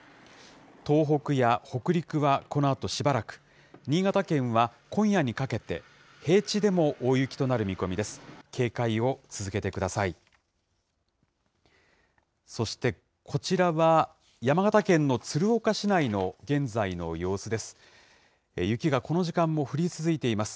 東北や北陸はこのあとしばらく、新潟県は今夜にかけて、平地でも大雪となる見込みです。